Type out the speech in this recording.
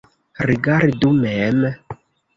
Rigardu mem.